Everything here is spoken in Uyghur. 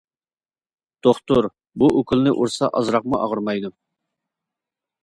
دوختۇر: بۇ ئوكۇلنى ئۇرسا ئازراقمۇ ئاغرىمايدۇ.